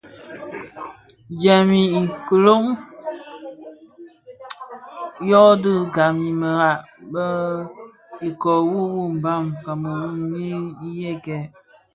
Djèm i kilōň yodhi gaň i merad më ikō wu muu mbam kameru nyi yëkèn.